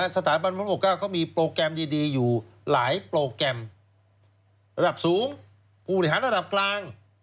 สถาบันพระปกเก้าเขามีโปรแกรมดีอยู่หลายโปรแกรมระดับสูงผู้บริหารระดับกลาง